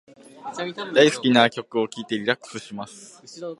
大好きな曲を聞いてリラックスします。